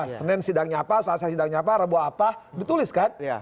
senin sidangnya apa selasa sidangnya apa rebuh apa ditulis kan